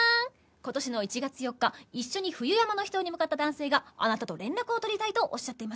今年の１月４日一緒に冬山の秘湯に向かった男性があなたと連絡を取りたいとおっしゃっています。